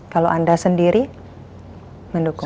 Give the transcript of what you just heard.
kalau anda sendiri mendukung